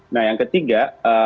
nah yang ketiga